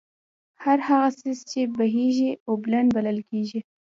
هر هغه څيز چې بهېږي، اوبلن بلل کيږي